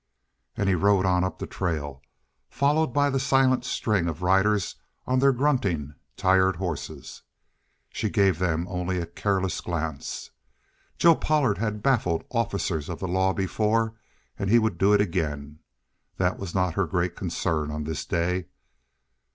And he rode on up the trail, followed by the silent string of riders on their grunting, tired horses. She gave them only a careless glance. Joe Pollard had baffled officers of the law before, and he would do it again. That was not her great concern on this day.